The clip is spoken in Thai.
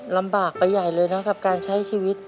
ลำบากไปใหญ่เลยนะกับการใช้ชีวิต